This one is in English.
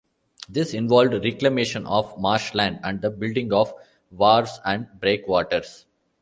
This involved reclamation of marshland and the building of wharves and breakwaters.